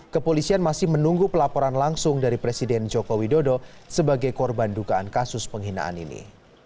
kepolisian masih menunggu pelaporan langsung dari presiden joko widodo sebagai korban dugaan kasus penghinaan ini